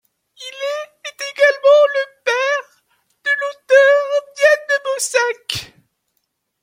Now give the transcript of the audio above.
Il est également le père de l'auteur Diane de Beausacq.